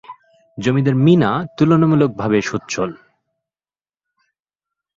জমিদার মীনা তুলনামূলকভাবে সচ্ছল।